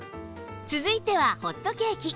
続いてはホットケーキ